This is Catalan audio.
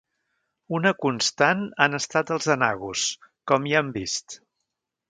Una constant han estat els enagos, com ja hem vist.